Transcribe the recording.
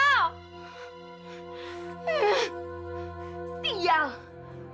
belum pernah aku dicuekin kang bronto kayak gini